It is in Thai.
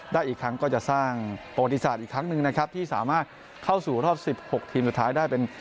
ได้อีกครั้งก็จะสร้างประวัติศาสตร์อีกครั้งหนึ่งนะครับที่สามารถเข้าสู่รอบ๑๖ทีมสุดท้ายได้เป็น